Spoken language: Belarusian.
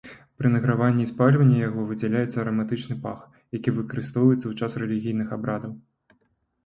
Пры награванні і спальванні яго выдзяляецца араматычны пах, які выкарыстоўваецца ў час рэлігійных абрадаў.